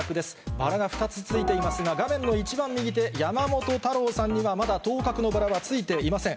バラが２つついていますが、画面の一番右手、山本太郎さんにはまだ当確のバラはついていません。